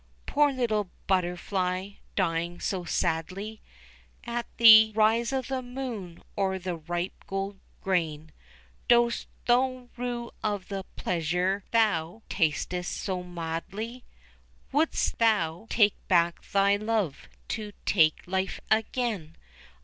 Poor little butterfly! dying so sadly At the rise of the moon o'er the ripe gold grain; Dost thou rue of the pleasure thou tasted so madly, Would'st thou take back thy love to take life again?